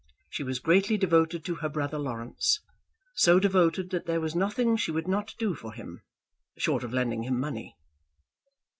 She was greatly devoted to her brother Laurence, so devoted that there was nothing she would not do for him, short of lending him money.